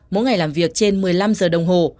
mỗi ngày làm việc trên một mươi năm giờ đồng hồ